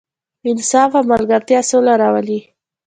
انصاف او ملګرتیا سوله راولي.